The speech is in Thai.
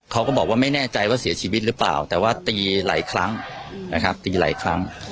เขาก็บอกว่าไม่แน่ใจว่าเสียชีวิตหรือเปล่าแต่ว่าตีหลายครั้งนะครับตีหลายครั้ง